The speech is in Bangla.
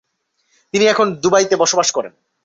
তিনি এখন দুবাইতে বসবাস করেন।